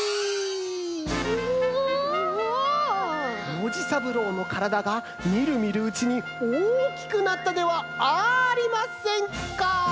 ノジさぶろうのからだがみるみるうちにおおきくなったではありませんか！